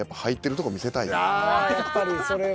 やっぱりそれは。